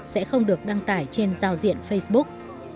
sẽ không được đăng tải trên giao diện facebook